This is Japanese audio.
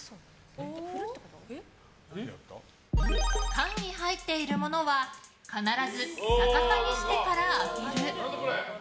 缶に入っているものは必ず逆さにしてから開ける。